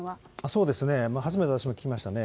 そうですね、初めて私も聞きましたね。